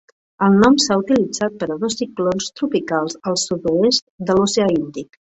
El nom s'ha utilitzat per a dos ciclons tropicals al sud-oest de l'oceà Índic.